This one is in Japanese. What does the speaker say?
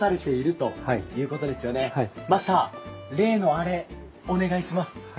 マスター、例のあれお願いします。